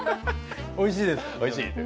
おいしいです。